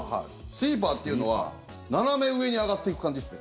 スイーパーっていうのは斜め上に上がっていく感じです。